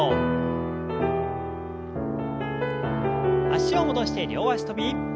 脚を戻して両脚跳び。